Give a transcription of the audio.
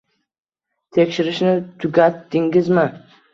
Tekshirishni tugatdingizmi?